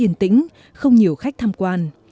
nền tĩnh không nhiều khách tham quan